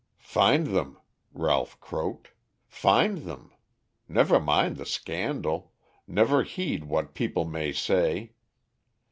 "Find them," Ralph croaked; "find them. Never mind the scandal, never heed what people may say.